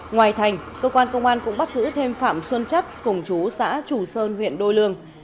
ngoài thành cơ quan công an cũng bắt giữ thêm phạm xuân chất cùng chú xã chù sơn huyện đôi lương